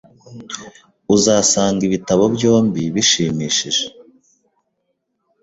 Uzasanga ibitabo byombi bishimishije